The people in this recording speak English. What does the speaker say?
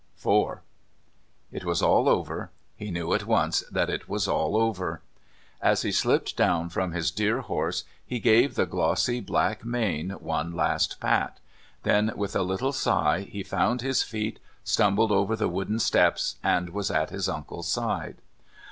IV It was all over; he knew at once that it was all over. As he slipped down from his dear horse he gave the glossy dark mane one last pat; then, with a little sigh, he found his feet, stumbled over the wooden steps and was at his uncle's side.